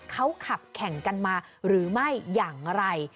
เขาขับแข่งกันมาหรือไม่อย่างไร